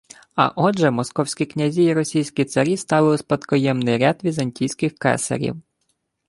А отже, московські князі і російські царі стали у спадкоємний ряд візантійських кесарів